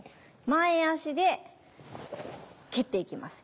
前足で蹴っていきます。